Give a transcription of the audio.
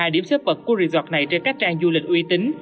ba điểm xếp bật của resort này trên các trang du lịch uy tín